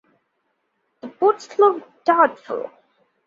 The boots looked doubtful.